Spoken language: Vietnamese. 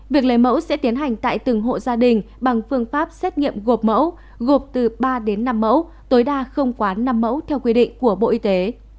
việc lấy mẫu sẽ tiến hành tại từng hộ gia đình bằng phương pháp xét nghiệm gộp mẫu gộp từ ba đến năm mẫu tối đa không quá năm mẫu theo quy định của bộ y tế